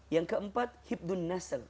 yang keempat hibdun nasl